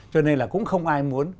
cho nên là cũng không ai muốn